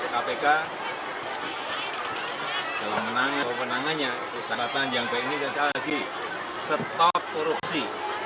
kpk dalam menangnya keputusan badan yang baik ini dan lagi stop korupsi